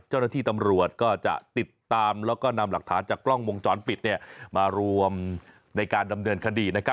เจ้าหน้าที่ตำรวจก็จะติดตามแล้วก็นำหลักฐานจากกล้องวงจรปิดมารวมในการดำเนินคดี